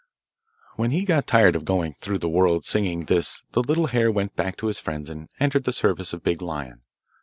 When he got tired of going through the world singing this the little hare went back to his friends and entered the service of Big Lion.